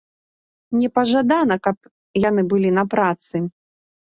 Не, пажадана, каб яны былі на працы.